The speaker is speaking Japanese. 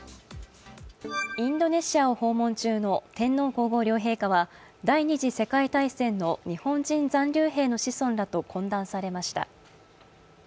インドネシアを訪問中の天皇皇后両陛下は第二次世界大戦の日本人残留兵の子孫らと懇談されました。